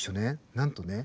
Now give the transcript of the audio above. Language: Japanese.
なんとね